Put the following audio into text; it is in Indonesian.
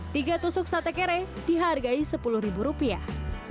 tiga tusuk sate kere dihargai sepuluh ribu rupiah